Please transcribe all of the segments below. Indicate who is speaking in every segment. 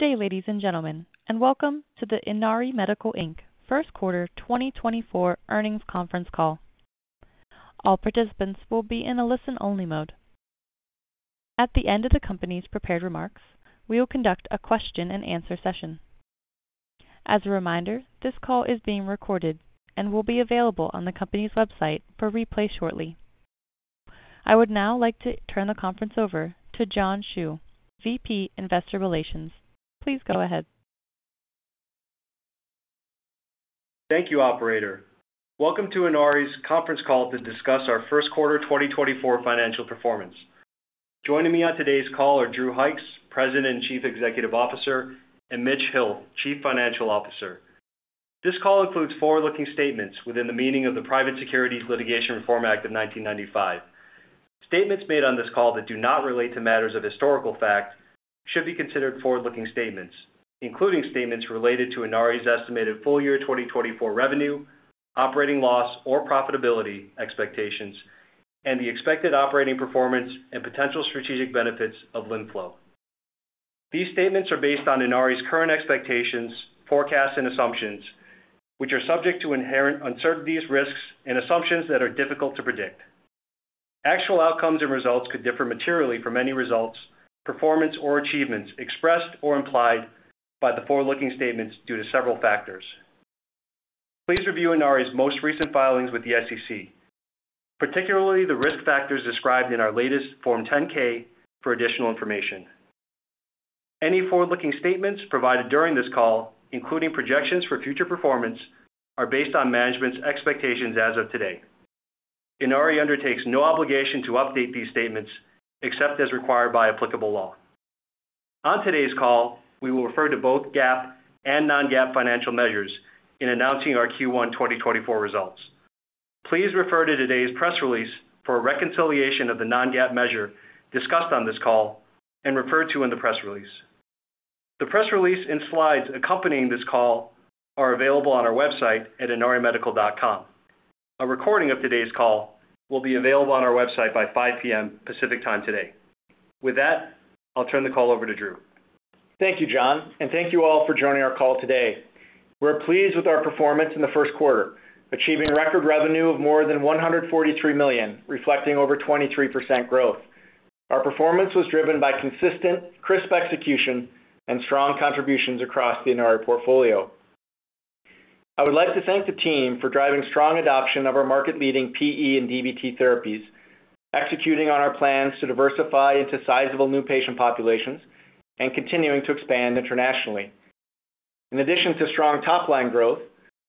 Speaker 1: Good day, ladies and gentlemen, and welcome to the Inari Medical, Inc. First Quarter 2024 Earnings Conference Call. All participants will be in a listen-only mode. At the end of the company's prepared remarks, we will conduct a question-and-answer session. As a reminder, this call is being recorded and will be available on the company's website for replay shortly. I would now like to turn the conference over to John Hsu, VP, Investor Relations. Please go ahead.
Speaker 2: Thank you, operator. Welcome to Inari's conference call to discuss our First Quarter 2024 Financial Performance. Joining me on today's call are Drew Hykes, President and Chief Executive Officer, and Mitch Hill, Chief Financial Officer. This call includes forward-looking statements within the meaning of the Private Securities Litigation Reform Act of 1995. Statements made on this call that do not relate to matters of historical fact should be considered forward-looking statements, including statements related to Inari's estimated full year 2024 revenue, operating loss or profitability expectations, and the expected operating performance and potential strategic benefits of LimFlow. These statements are based on Inari's current expectations, forecasts, and assumptions, which are subject to inherent uncertainties, risks, and assumptions that are difficult to predict. Actual outcomes and results could differ materially from any results, performance, or achievements expressed or implied by the forward-looking statements due to several factors. Please review Inari's most recent filings with the SEC, particularly the risk factors described in our latest Form 10-K for additional information. Any forward-looking statements provided during this call, including projections for future performance, are based on management's expectations as of today. Inari undertakes no obligation to update these statements except as required by applicable law. On today's call, we will refer to both GAAP and non-GAAP financial measures in announcing our Q1 2024 results. Please refer to today's press release for a reconciliation of the non-GAAP measure discussed on this call and referred to in the press release. The press release and slides accompanying this call are available on our website at inarimedical.com. A recording of today's call will be available on our website by 5:00 P.M. Pacific Time today. With that, I'll turn the call over to Drew.
Speaker 3: Thank you, John, and thank you all for joining our call today. We're pleased with our performance in the first quarter, achieving record revenue of more than $143 million, reflecting over 23% growth. Our performance was driven by consistent, crisp execution and strong contributions across the Inari portfolio. I would like to thank the team for driving strong adoption of our market-leading PE and DVT therapies, executing on our plans to diversify into sizable new patient populations, and continuing to expand internationally. In addition to strong top-line growth,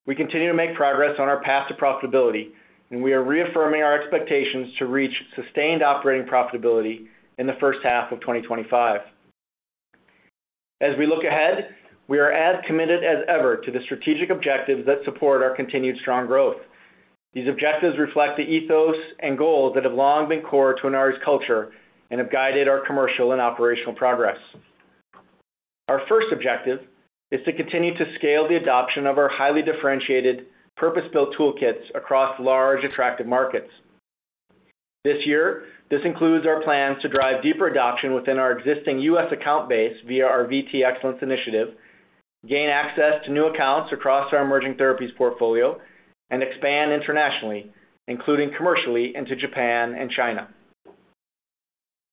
Speaker 3: we continue to make progress on our path to profitability, and we are reaffirming our expectations to reach sustained operating profitability in the first half of 2025. As we look ahead, we are as committed as ever to the strategic objectives that support our continued strong growth. These objectives reflect the ethos and goals that have long been core to Inari's culture and have guided our commercial and operational progress. Our first objective is to continue to scale the adoption of our highly differentiated, purpose-built toolkits across large, attractive markets. This year, this includes our plans to drive deeper adoption within our existing U.S. account base via our VT Excellence Initiative, gain access to new accounts across our emerging therapies portfolio, and expand internationally, including commercially, into Japan and China.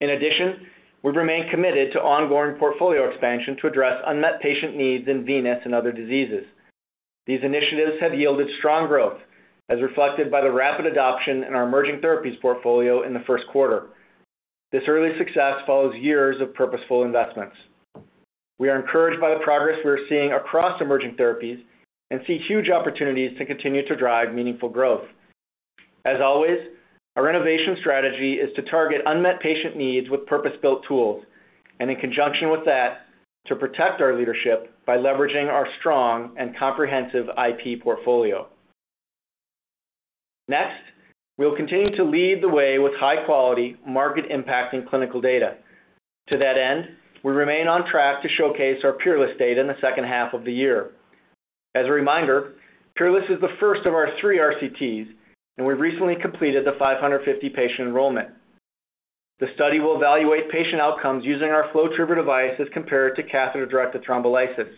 Speaker 3: In addition, we remain committed to ongoing portfolio expansion to address unmet patient needs in venous and other diseases. These initiatives have yielded strong growth, as reflected by the rapid adoption in our emerging therapies portfolio in the first quarter. This early success follows years of purposeful investments. We are encouraged by the progress we are seeing across emerging therapies and see huge opportunities to continue to drive meaningful growth. As always, our innovation strategy is to target unmet patient needs with purpose-built tools and, in conjunction with that, to protect our leadership by leveraging our strong and comprehensive IP portfolio. Next, we will continue to lead the way with high-quality, market-impacting clinical data. To that end, we remain on track to showcase our PEERLESS data in the second half of the year. As a reminder, PEERLESS is the first of our three RCTs, and we've recently completed the 550-patient enrollment. The study will evaluate patient outcomes using our FlowTriever devices compared to catheter-directed thrombolysis.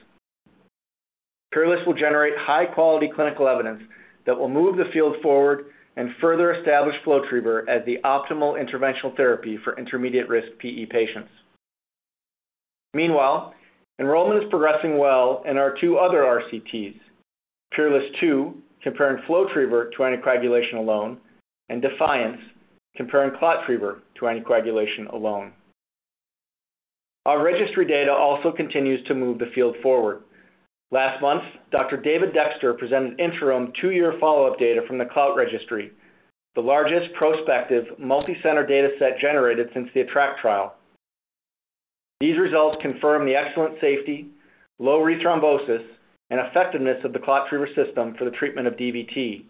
Speaker 3: PEERLESS will generate high-quality clinical evidence that will move the field forward and further establish FlowTriever as the optimal interventional therapy for intermediate-risk PE patients. Meanwhile, enrollment is progressing well in our two other RCTs: PEERLESS II, comparing FlowTriever to anticoagulation alone, and DEFIANCE, comparing ClotTriever to anticoagulation alone. Our registry data also continues to move the field forward. Last month, Dr. David Dexter presented interim two-year follow-up data from the CLOUT Registry, the largest prospective multi-center dataset generated since the ATTRACT trial. These results confirm the excellent safety, low re-thrombosis, and effectiveness of the ClotTriever system for the treatment of DVT.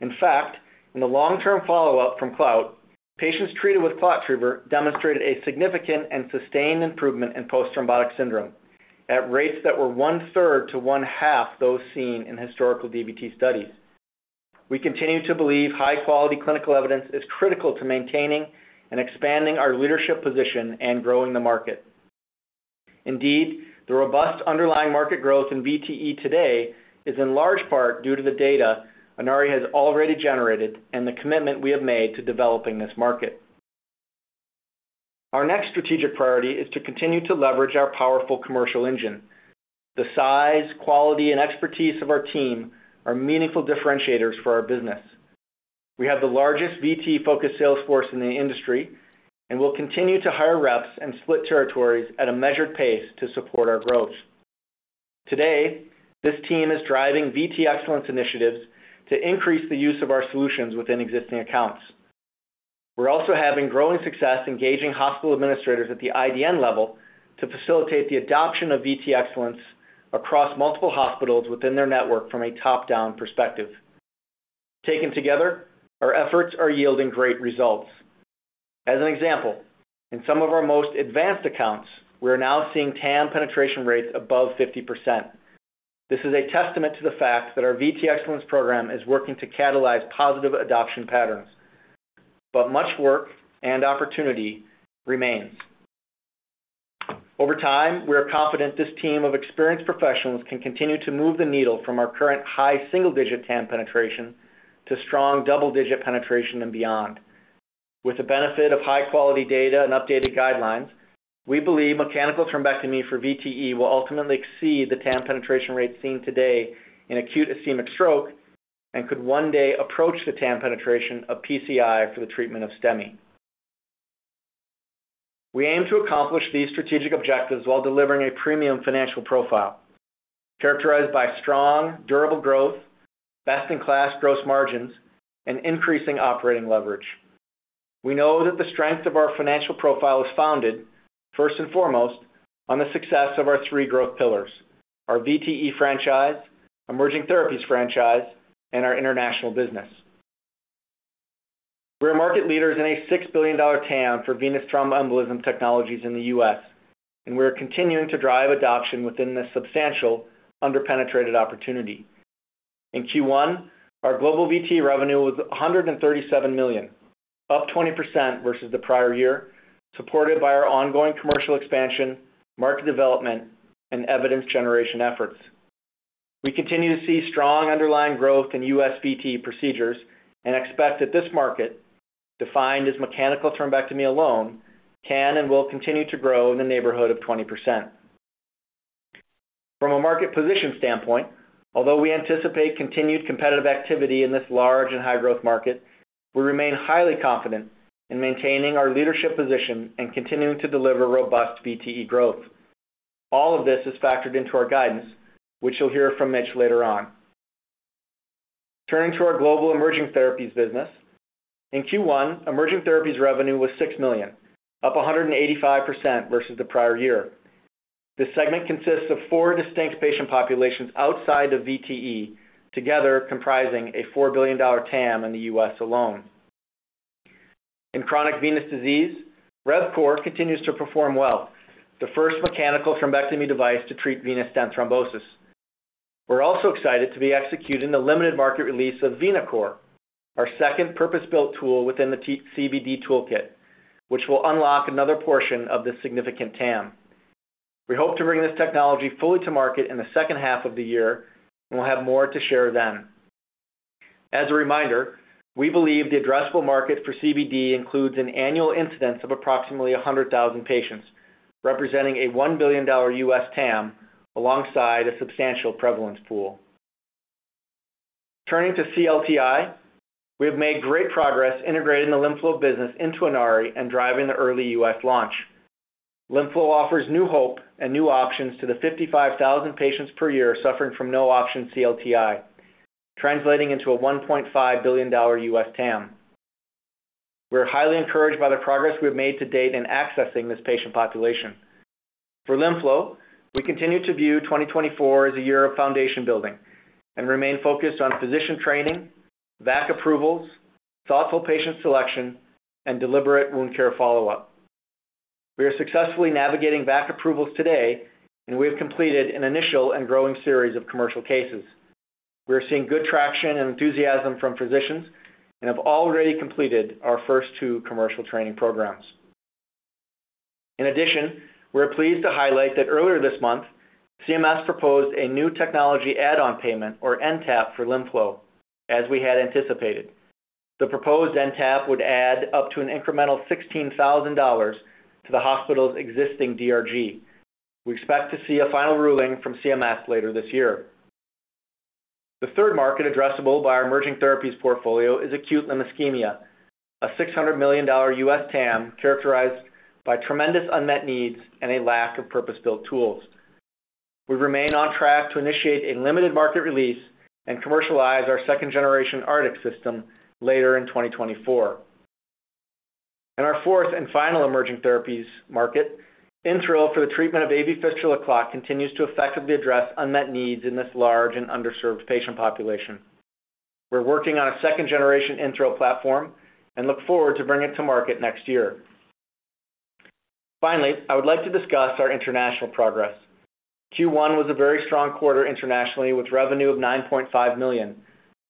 Speaker 3: In fact, in the long-term follow-up from CLOUT, patients treated with ClotTriever demonstrated a significant and sustained improvement in post-thrombotic syndrome at rates that were 1/3 to 1/2 those seen in historical DVT studies. We continue to believe high-quality clinical evidence is critical to maintaining and expanding our leadership position and growing the market. Indeed, the robust underlying market growth in VTE today is in large part due to the data Inari has already generated and the commitment we have made to developing this market. Our next strategic priority is to continue to leverage our powerful commercial engine. The size, quality, and expertise of our team are meaningful differentiators for our business. We have the largest VT-focused sales force in the industry and will continue to hire reps and split territories at a measured pace to support our growth. Today, this team is driving VT Excellence initiatives to increase the use of our solutions within existing accounts. We're also having growing success engaging hospital administrators at the IDN level to facilitate the adoption of VT Excellence across multiple hospitals within their network from a top-down perspective. Taken together, our efforts are yielding great results. As an example, in some of our most advanced accounts, we are now seeing TAM penetration rates above 50%. This is a testament to the fact that our VT Excellence program is working to catalyze positive adoption patterns. But much work and opportunity remains. Over time, we are confident this team of experienced professionals can continue to move the needle from our current high single-digit TAM penetration to strong double-digit penetration and beyond. With the benefit of high-quality data and updated guidelines, we believe mechanical thrombectomy for VTE will ultimately exceed the TAM penetration rate seen today in acute ischemic stroke and could one day approach the TAM penetration of PCI for the treatment of STEMI. We aim to accomplish these strategic objectives while delivering a premium financial profile characterized by strong, durable growth, best-in-class gross margins, and increasing operating leverage. We know that the strength of our financial profile is founded, first and foremost, on the success of our three growth pillars: our VTE franchise, emerging therapies franchise, and our international business. We are market leaders in a $6 billion TAM for venous thromboembolism technologies in the U.S., and we are continuing to drive adoption within this substantial underpenetrated opportunity. In Q1, our global VT revenue was $137 million, up 20% versus the prior year, supported by our ongoing commercial expansion, market development, and evidence generation efforts. We continue to see strong underlying growth in U.S. VT procedures and expect that this market, defined as mechanical thrombectomy alone, can and will continue to grow in the neighborhood of 20%. From a market position standpoint, although we anticipate continued competitive activity in this large and high-growth market, we remain highly confident in maintaining our leadership position and continuing to deliver robust VTE growth. All of this is factored into our guidance, which you'll hear from Mitch later on. Turning to our global emerging therapies business, in Q1, emerging therapies revenue was $6 million, up 185% versus the prior year. This segment consists of four distinct patient populations outside of VTE, together comprising a $4 billion TAM in the U.S. alone. In chronic venous disease, RevCore continues to perform well, the first mechanical thrombectomy device to treat venous stent thrombosis. We're also excited to be executing the limited market release of VenaCore, our second purpose-built tool within the CVD toolkit, which will unlock another portion of this significant TAM. We hope to bring this technology fully to market in the second half of the year, and we'll have more to share then. As a reminder, we believe the addressable market for CVD includes an annual incidence of approximately 100,000 patients, representing a $1 billion U.S. TAM alongside a substantial prevalence pool. Turning to CLTI, we have made great progress integrating the LimFlow business into Inari and driving the early U.S. launch. LimFlow offers new hope and new options to the 55,000 patients per year suffering from no-option CLTI, translating into a $1.5 billion U.S. TAM. We're highly encouraged by the progress we have made to date in accessing this patient population. For LimFlow, we continue to view 2024 as a year of foundation building and remain focused on physician training, VAC approvals, thoughtful patient selection, and deliberate wound care follow-up. We are successfully navigating VAC approvals today, and we have completed an initial and growing series of commercial cases. We are seeing good traction and enthusiasm from physicians and have already completed our first two commercial training programs. In addition, we're pleased to highlight that earlier this month, CMS proposed a new technology add-on payment, or NTAP, for LimFlow, as we had anticipated. The proposed NTAP would add up to an incremental $16,000 to the hospital's existing DRG. We expect to see a final ruling from CMS later this year. The third market addressable by our emerging therapies portfolio is acute lymphedema, a $600 million U.S. TAM characterized by tremendous unmet needs and a lack of purpose-built tools. We remain on track to initiate a limited market release and commercialize our second-generation Artix system later in 2024. In our fourth and final emerging therapies market, InThrill for the treatment of AV Fistula clot continues to effectively address unmet needs in this large and underserved patient population. We're working on a second-generation InThrill platform and look forward to bringing it to market next year. Finally, I would like to discuss our international progress. Q1 was a very strong quarter internationally with revenue of $9.5 million,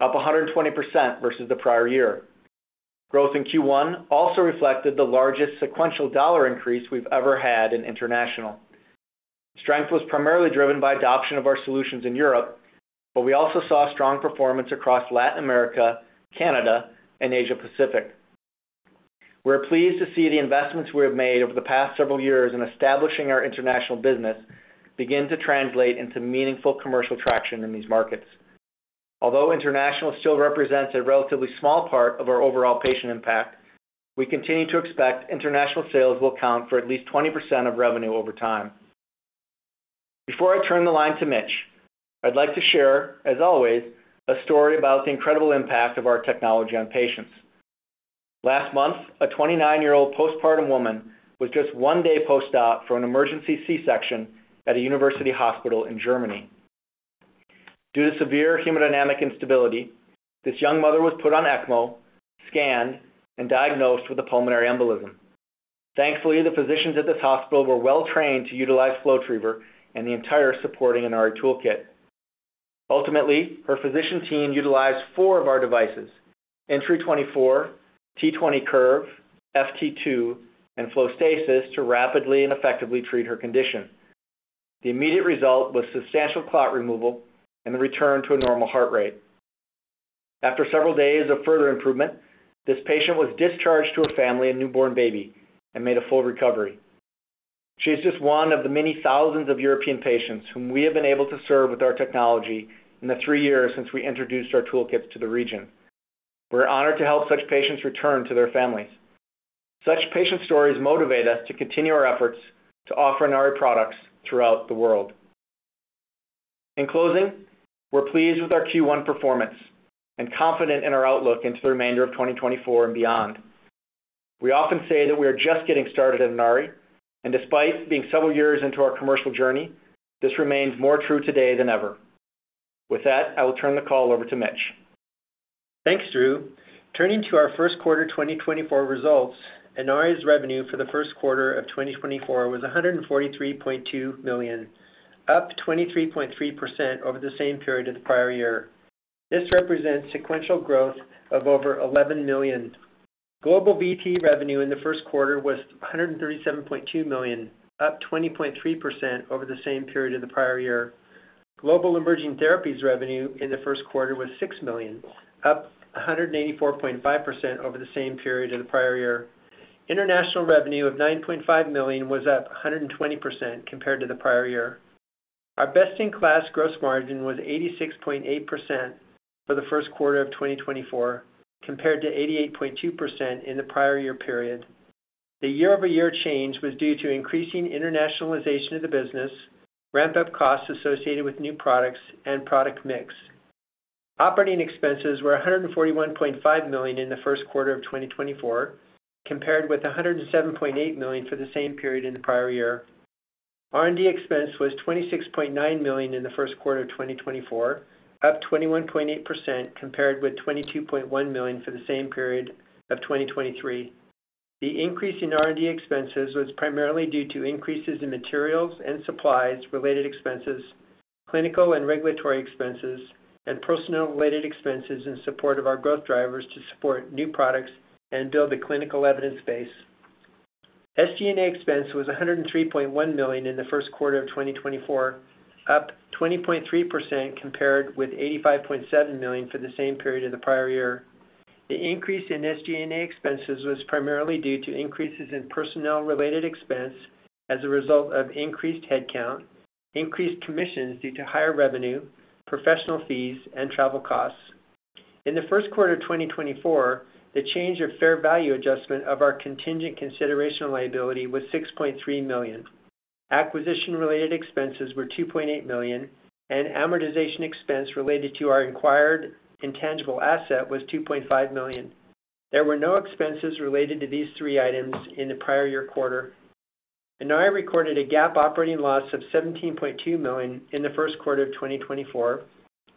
Speaker 3: up 120% versus the prior year. Growth in Q1 also reflected the largest sequential dollar increase we've ever had in international. Strength was primarily driven by adoption of our solutions in Europe, but we also saw strong performance across Latin America, Canada, and Asia-Pacific. We're pleased to see the investments we have made over the past several years in establishing our international business begin to translate into meaningful commercial traction in these markets. Although international still represents a relatively small part of our overall patient impact, we continue to expect international sales will account for at least 20% of revenue over time. Before I turn the line to Mitch, I'd like to share, as always, a story about the incredible impact of our technology on patients. Last month, a 29-year-old postpartum woman was just one day post-op for an emergency C-section at a university hospital in Germany. Due to severe hemodynamic instability, this young mother was put on ECMO, scanned, and diagnosed with a pulmonary embolism. Thankfully, the physicians at this hospital were well-trained to utilize FlowTriever and the entire supporting Inari toolkit. Ultimately, her physician team utilized four of our devices, Triever24, T20 Curve, FT2, and FlowStasis to rapidly and effectively treat her condition. The immediate result was substantial clot removal and the return to a normal heart rate. After several days of further improvement, this patient was discharged to her family and newborn baby and made a full recovery. She is just one of the many thousands of European patients whom we have been able to serve with our technology in the three years since we introduced our toolkits to the region. We're honored to help such patients return to their families. Such patient stories motivate us to continue our efforts to offer Inari products throughout the world. In closing, we're pleased with our Q1 performance and confident in our outlook into the remainder of 2024 and beyond. We often say that we are just getting started at Inari, and despite being several years into our commercial journey, this remains more true today than ever. With that, I will turn the call over to Mitch.
Speaker 4: Thanks, Drew. Turning to our first quarter 2024 results, Inari's revenue for the first quarter of 2024 was $143.2 million, up 23.3% over the same period of the prior year. This represents sequential growth of over $11 million. Global VT revenue in the first quarter was $137.2 million, up 20.3% over the same period of the prior year. Global emerging therapies revenue in the first quarter was $6 million, up 184.5% over the same period of the prior year. International revenue of $9.5 million was up 120% compared to the prior year. Our best-in-class gross margin was 86.8% for the first quarter of 2024 compared to 88.2% in the prior year period. The year-over-year change was due to increasing internationalization of the business, ramp-up costs associated with new products, and product mix. Operating expenses were $141.5 million in the first quarter of 2024 compared with $107.8 million for the same period in the prior year. R&D expense was $26.9 million in the first quarter of 2024, up 21.8% compared with $22.1 million for the same period of 2023. The increase in R&D expenses was primarily due to increases in materials and supplies-related expenses, clinical and regulatory expenses, and personnel-related expenses in support of our growth drivers to support new products and build a clinical evidence base. SG&A expense was $103.1 million in the first quarter of 2024, up 20.3% compared with $85.7 million for the same period of the prior year. The increase in SG&A expenses was primarily due to increases in personnel-related expense as a result of increased headcount, increased commissions due to higher revenue, professional fees, and travel costs. In the first quarter of 2024, the change of fair value adjustment of our contingent consideration liability was $6.3 million. Acquisition-related expenses were $2.8 million, and amortization expense related to our acquired intangible asset was $2.5 million. There were no expenses related to these three items in the prior year quarter. Inari recorded a GAAP operating loss of $17.2 million in the first quarter of 2024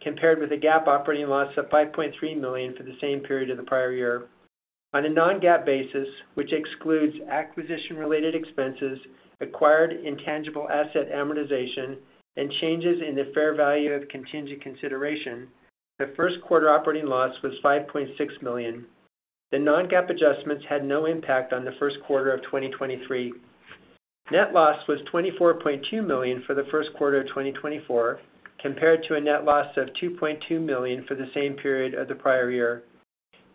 Speaker 4: compared with a GAAP operating loss of $5.3 million for the same period of the prior year. On a non-GAAP basis, which excludes acquisition-related expenses, acquired intangible asset amortization, and changes in the fair value of contingent consideration, the first quarter operating loss was $5.6 million. The non-GAAP adjustments had no impact on the first quarter of 2023. Net loss was $24.2 million for the first quarter of 2024 compared to a net loss of $2.2 million for the same period of the prior year.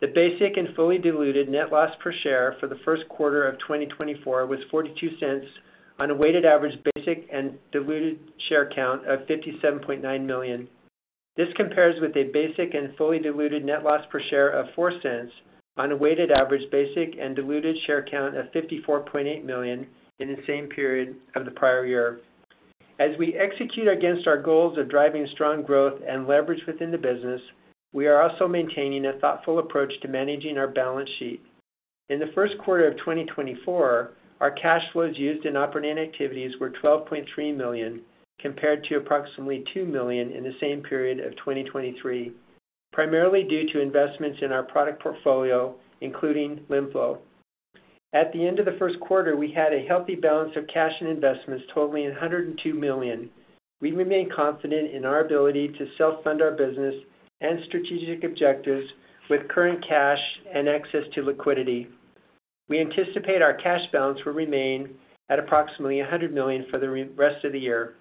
Speaker 4: The basic and fully diluted net loss per share for the first quarter of 2024 was $0.42 on a weighted average basic and diluted share count of 57.9 million. This compares with a basic and fully diluted net loss per share of $0.04 on a weighted average basic and diluted share count of 54.8 million in the same period of the prior year. As we execute against our goals of driving strong growth and leverage within the business, we are also maintaining a thoughtful approach to managing our balance sheet. In the first quarter of 2024, our cash flows used in operating activities were $12.3 million compared to approximately $2 million in the same period of 2023, primarily due to investments in our product portfolio, including LimFlow. At the end of the first quarter, we had a healthy balance of cash and investments totaling $102 million. We remain confident in our ability to self-fund our business and strategic objectives with current cash and access to liquidity. We anticipate our cash balance will remain at approximately $100 million for the rest of the year.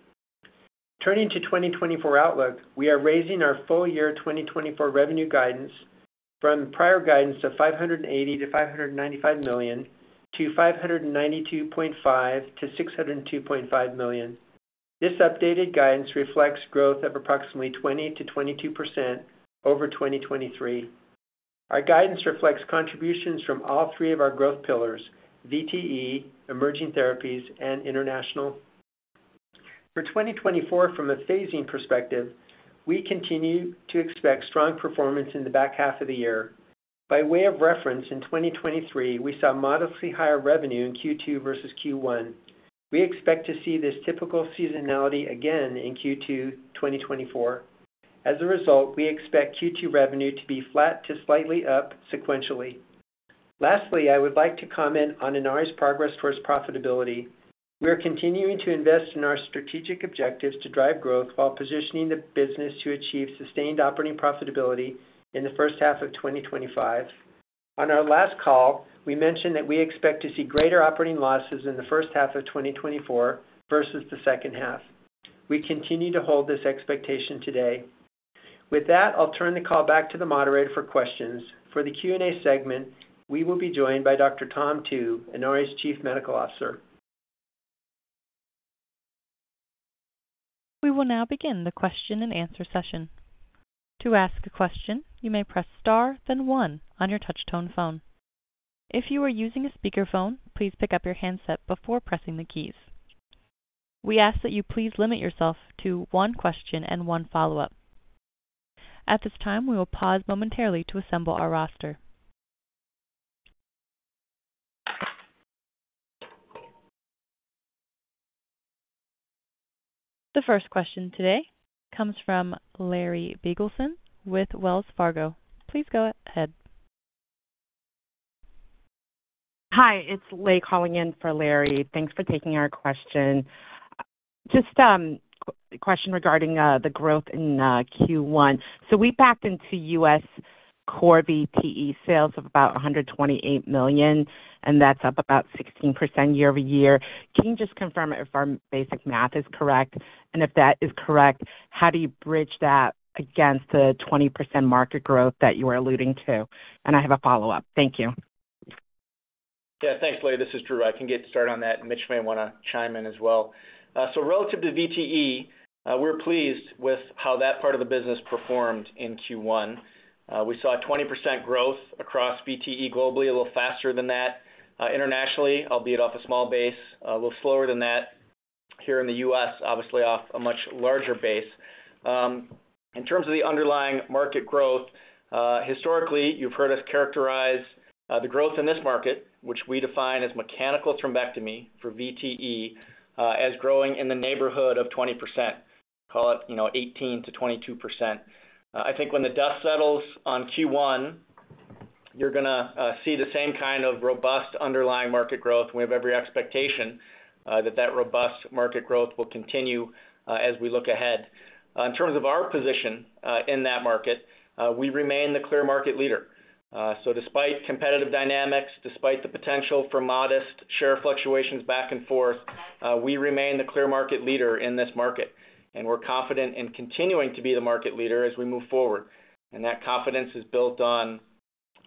Speaker 4: Turning to 2024 outlook, we are raising our full year 2024 revenue guidance from prior guidance of $580million-$595 million to $592.5 million-$602.5 million. This updated guidance reflects growth of approximately 20%-22% over 2023. Our guidance reflects contributions from all three of our growth pillars: VTE, emerging therapies, and international. For 2024, from a phasing perspective, we continue to expect strong performance in the back half of the year. By way of reference, in 2023, we saw modestly higher revenue in Q2 versus Q1. We expect to see this typical seasonality again in Q2 2024. As a result, we expect Q2 revenue to be flat to slightly up sequentially. Lastly, I would like to comment on Inari's progress towards profitability. We are continuing to invest in our strategic objectives to drive growth while positioning the business to achieve sustained operating profitability in the first half of 2025. On our last call, we mentioned that we expect to see greater operating losses in the first half of 2024 versus the second half. We continue to hold this expectation today. With that, I'll turn the call back to the moderator for questions. For the Q&A segment, we will be joined by Dr. Tom Tu, Inari's Chief Medical Officer.
Speaker 1: We will now begin the question-and-answer session. To ask a question, you may press star then one on your touch-tone phone. If you are using a speakerphone, please pick up your handset before pressing the keys. We ask that you please limit yourself to one question and one follow-up. At this time, we will pause momentarily to assemble our roster. The first question today comes from Larry Biegelsen with Wells Fargo. Please go ahead.
Speaker 5: Hi, it's Lei calling in for Larry. Thanks for taking our question. Just a question regarding the growth in Q1. So, we backed into U.S. core VTE sales of about $128 million, and that's up about 16% year-over-year. Can you just confirm if our basic math is correct? And if that is correct, how do you bridge that against the 20% market growth that you were alluding to? I have a follow-up. Thank you.
Speaker 3: Yeah, thanks, Lei. This is Drew. I can get started on that, and Mitch may want to chime in as well. Relative to VTE, we're pleased with how that part of the business performed in Q1. We saw 20% growth across VTE globally, a little faster than that. Internationally, albeit off a small base, a little slower than that. Here in the U.S., obviously off a much larger base. In terms of the underlying market growth, historically, you've heard us characterize the growth in this market, which we define as mechanical thrombectomy for VTE, as growing in the neighborhood of 20%. Call it 18%-22%. I think when the dust settles on Q1, you're going to see the same kind of robust underlying market growth. We have every expectation that that robust market growth will continue as we look ahead. In terms of our position in that market, we remain the clear market leader. So, despite competitive dynamics, despite the potential for modest share fluctuations back and forth, we remain the clear market leader in this market. And we're confident in continuing to be the market leader as we move forward. And that confidence is built on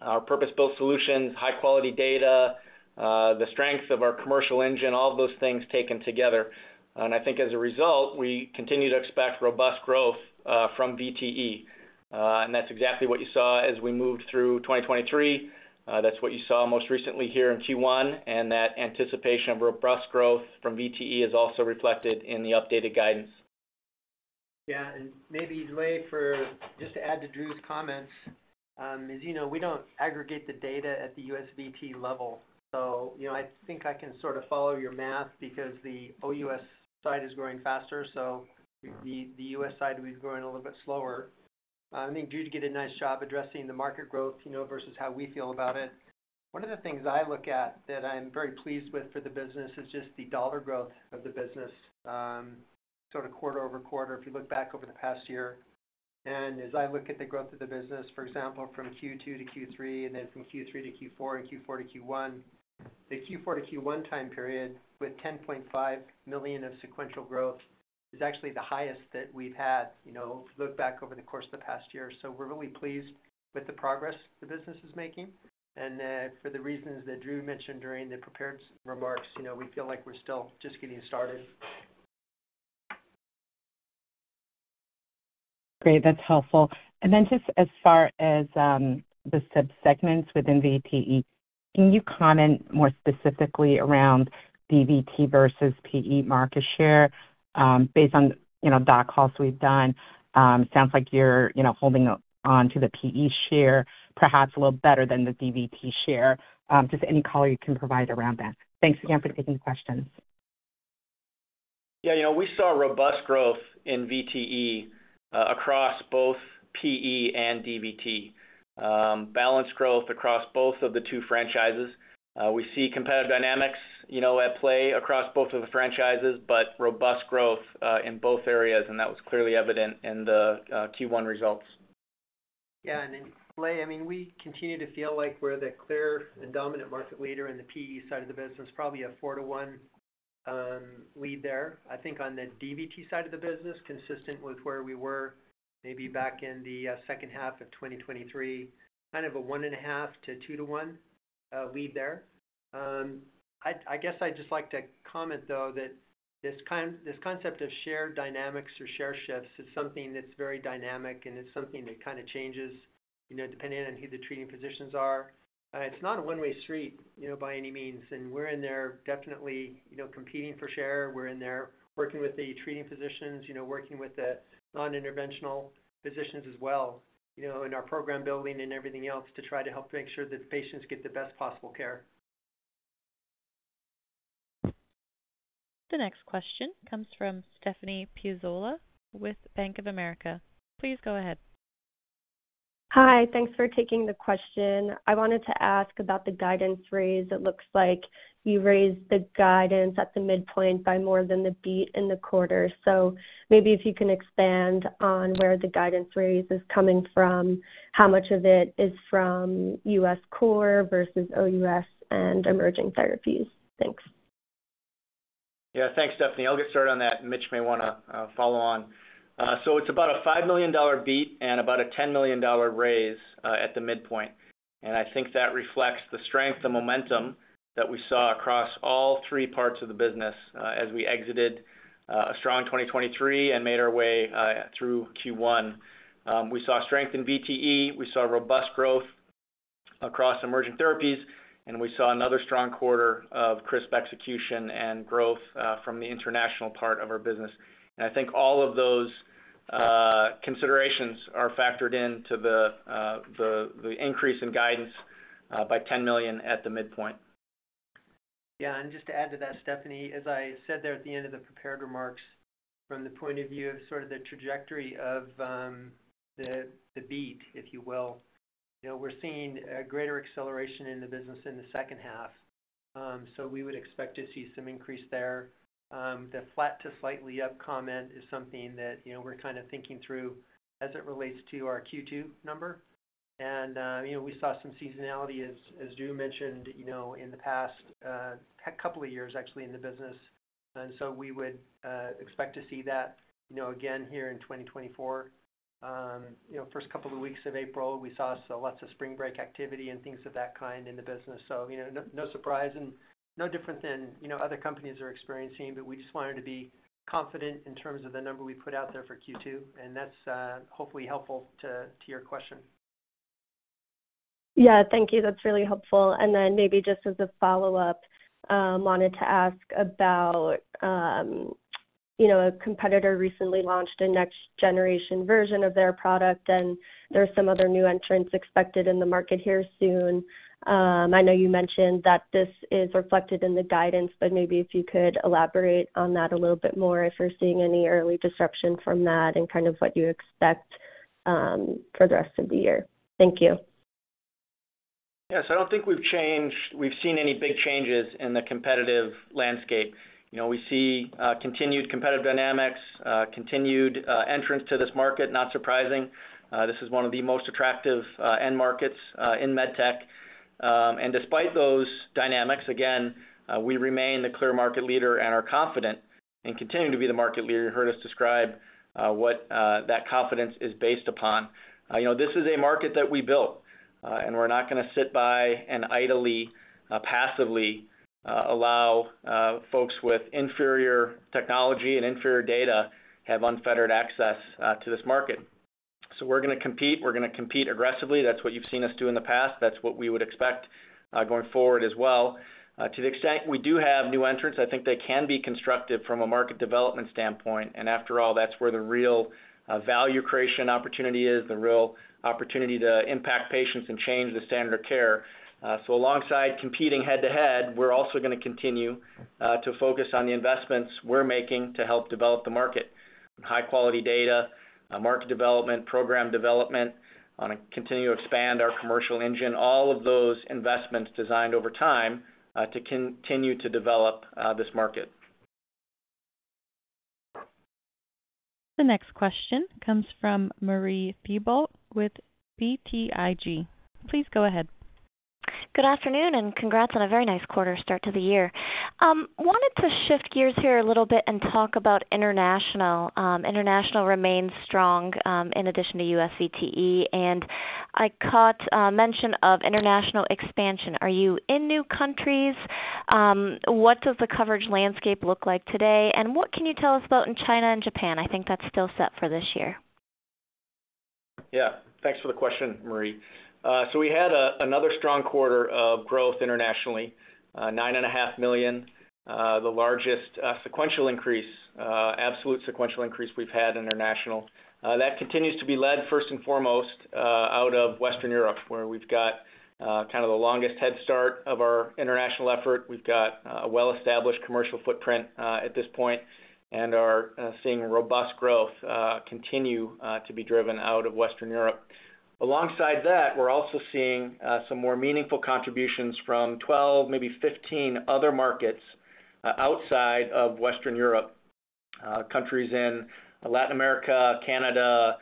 Speaker 3: our purpose-built solutions, high-quality data, the strength of our commercial engine, all of those things taken together. And I think as a result, we continue to expect robust growth from VTE. And that's exactly what you saw as we moved through 2023. That's what you saw most recently here in Q1, and that anticipation of robust growth from VTE is also reflected in the updated guidance.
Speaker 4: Yeah, and maybe, Leigh, just to add to Drew's comments, as you know, we don't aggregate the data at the U.S. VTE level. So, I think I can sort of follow your math because the OUS side is growing faster, so the U.S. side is growing a little bit slower. I think Drew did a nice job addressing the market growth versus how we feel about it. One of the things I look at that I'm very pleased with for the business is just the dollar growth of the business, sort of quarter-over-quarter, if you look back over the past year. And as I look at the growth of the business, for example, from Q2 to Q3 and then from Q3 to Q4 and Q4 to Q1, the Q4 to Q1 time period with $10.5 million of sequential growth is actually the highest that we've had if you look back over the course of the past year. So, we're really pleased with the progress the business is making. For the reasons that Drew mentioned during the prepared remarks, we feel like we're still just getting started.
Speaker 5: Great. That's helpful. Then just as far as the subsegments within VTE, can you comment more specifically around the DVT versus PE market share based on doc calls we've done? Sounds like you're holding onto the PE share perhaps a little better than the DVT share. Just any color you can provide around that. Thanks again for taking the questions.
Speaker 3: Yeah, we saw robust growth in VTE across both PE and DVT, balanced growth across both of the two franchises. We see competitive dynamics at play across both of the franchises, but robust growth in both areas, and that was clearly evident in the Q1 results.
Speaker 4: Yeah, and Leigh, I mean, we continue to feel like we're the clear and dominant market leader in the PE side of the business, probably a 4-to-1 lead there. I think on the DVT side of the business, consistent with where we were maybe back in the second half of 2023, kind of a 1.5-to-2-to-1 lead there. I guess I'd just like to comment, though, that this concept of share dynamics or share shifts is something that's very dynamic, and it's something that kind of changes depending on who the treating physicians are. It's not a one-way street by any means. And we're in there definitely competing for share. We're in there working with the treating physicians, working with the non-interventional physicians as well, in our program building and everything else to try to help make sure that the patients get the best possible care.
Speaker 1: The next question comes from Stephanie Piazzola with Bank of America. Please go ahead.
Speaker 6: Hi, thanks for taking the question. I wanted to ask about the guidance raise. It looks like you raised the guidance at the midpoint by more than the beat in the quarter. So, maybe if you can expand on where the guidance raise is coming from, how much of it is from U.S. core versus OUS and emerging therapies. Thanks.
Speaker 3: Yeah, thanks, Stephanie. I'll get started on that. Mitch may want to follow on. So, it's about a $5 million beat and about a $10 million raise at the midpoint. And I think that reflects the strength, the momentum that we saw across all three parts of the business as we exited a strong 2023 and made our way through Q1. We saw strength in VTE. We saw robust growth across emerging therapies. And we saw another strong quarter of crisp execution and growth from the international part of our business. And I think all of those considerations are factored into the increase in guidance by $10 million at the midpoint.
Speaker 4: Yeah, and just to add to that, Stephanie, as I said there at the end of the prepared remarks, from the point of view of sort of the trajectory of the beat, if you will, we're seeing a greater acceleration in the business in the second half. So, we would expect to see some increase there. The flat to slightly up comment is something that we're kind of thinking through as it relates to our Q2 number. We saw some seasonality, as Drew mentioned, in the past couple of years, actually, in the business. So, we would expect to see that again here in 2024. First couple of weeks of April, we saw lots of spring break activity and things of that kind in the business. So, no surprise and no different than other companies are experiencing, but we just wanted to be confident in terms of the number we put out there for Q2. That's hopefully helpful to your question.
Speaker 6: Yeah, thank you. That's really helpful. Then maybe just as a follow-up, wanted to ask about a competitor recently launched a next-generation version of their product, and there are some other new entrants expected in the market here soon. I know you mentioned that this is reflected in the guidance, but maybe if you could elaborate on that a little bit more if you're seeing any early disruption from that and kind of what you expect for the rest of the year. Thank you.
Speaker 3: Yeah, so I don't think we've seen any big changes in the competitive landscape. We see continued competitive dynamics, continued entrance to this market, not surprising. This is one of the most attractive end markets in MedTech. Despite those dynamics, again, we remain the clear market leader and are confident in continuing to be the market leader. You heard us describe what that confidence is based upon. This is a market that we built, and we're not going to sit by and idly, passively, allow folks with inferior technology and inferior data to have unfettered access to this market. We're going to compete. We're going to compete aggressively. That's what you've seen us do in the past. That's what we would expect going forward as well. To the extent we do have new entrants, I think they can be constructive from a market development standpoint. And after all, that's where the real value creation opportunity is, the real opportunity to impact patients and change the standard of care. So, alongside competing head-to-head, we're also going to continue to focus on the investments we're making to help develop the market: high-quality data, market development, program development, and continue to expand our commercial engine, all of those investments designed over time to continue to develop this market.
Speaker 1: The next question comes from Marie Thibault with BTIG. Please go ahead.
Speaker 7: Good afternoon and congrats on a very nice quarter start to the year. Wanted to shift gears here a little bit and talk about international. International remains strong in addition to U.S. VTE. And I caught mention of international expansion. Are you in new countries? What does the coverage landscape look like today? And what can you tell us about in China and Japan? I think that's still set for this year.
Speaker 3: Yeah, thanks for the question, Marie. So, we had another strong quarter of growth internationally, $9.5 million, the largest sequential increase, absolute sequential increase we've had international. That continues to be led, first and foremost, out of Western Europe, where we've got kind of the longest head start of our international effort. We've got a well-established commercial footprint at this point and are seeing robust growth continue to be driven out of Western Europe. Alongside that, we're also seeing some more meaningful contributions from 12, maybe 15 other markets outside of Western Europe, countries in Latin America, Canada,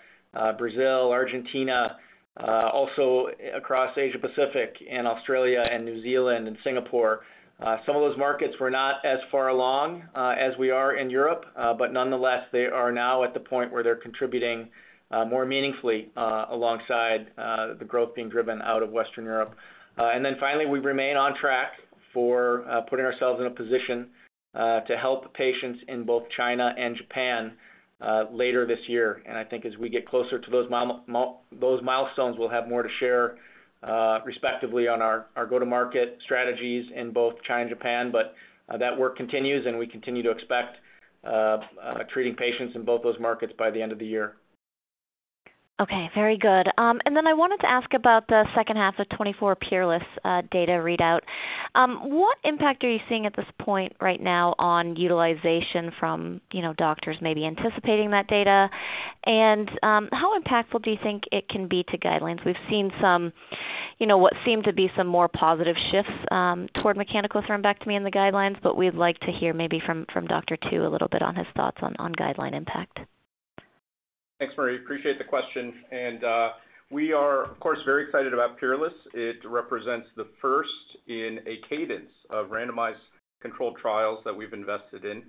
Speaker 3: Brazil, Argentina, also across Asia-Pacific and Australia and New Zealand and Singapore. Some of those markets were not as far along as we are in Europe, but nonetheless, they are now at the point where they're contributing more meaningfully alongside the growth being driven out of Western Europe. And then finally, we remain on track for putting ourselves in a position to help patients in both China and Japan later this year. And I think as we get closer to those milestones, we'll have more to share, respectively, on our go-to-market strategies in both China and Japan. But that work continues, and we continue to expect treating patients in both those markets by the end of the year.
Speaker 7: Okay, very good. And then I wanted to ask about the second half of 2024 PEERLESS data readout. What impact are you seeing at this point right now on utilization from doctors maybe anticipating that data? And how impactful do you think it can be to guidelines? We've seen some what seem to be some more positive shifts toward mechanical thrombectomy in the guidelines, but we'd like to hear maybe from Dr. Tu a little bit on his thoughts on guideline impact.
Speaker 8: Thanks, Marie. Appreciate the question. And we are, of course, very excited about PEERLESS. It represents the first in a cadence of randomized controlled trials that we've invested in.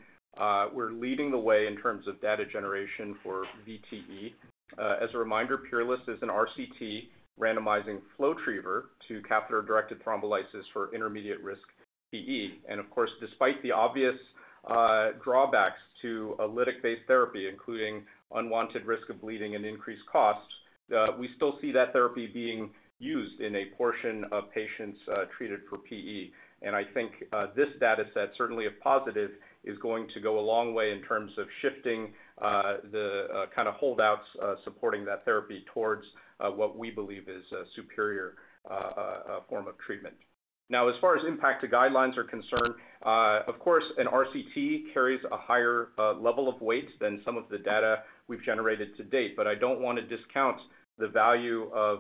Speaker 8: We're leading the way in terms of data generation for VTE. As a reminder, PEERLESS is an RCT randomizing FlowTriever to catheter-directed thrombolysis for intermediate-risk PE. Of course, despite the obvious drawbacks to a lytic-based therapy, including unwanted risk of bleeding and increased costs, we still see that therapy being used in a portion of patients treated for PE. I think this data set, certainly if positive, is going to go a long way in terms of shifting the kind of holdouts supporting that therapy towards what we believe is a superior form of treatment. Now, as far as impact to guidelines are concerned, of course, an RCT carries a higher level of weight than some of the data we've generated to date. But I don't want to discount the value of